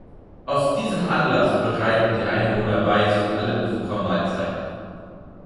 Aus diesem Anlass bereiten die Einwohner Bais für alle Besucher Mahlzeiten.